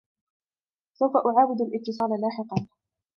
سوف أعاود الإتصالَ لاحقاً.